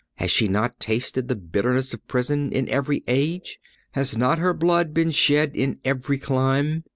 Has she not tasted the bitterness of prison in every age? Has not her blood been shed in every clime?